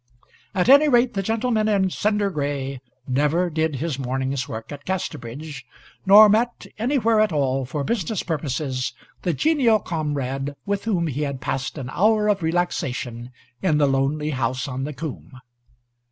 At any rate, the gentleman in cinder gray never did his morning's work at Casterbridge, nor met anywhere at all for business purposes the comrade with whom he had passed an hour of relaxation in the lonely house on the coomb.